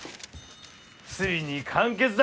ついに完結だ！